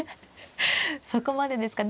そこまでですか。